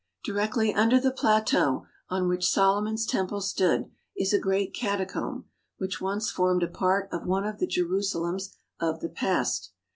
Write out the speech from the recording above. Directly under the plateau on which Solomon's Temple stood is a great catacomb, which once formed a part of one of the Jerusalems of the past.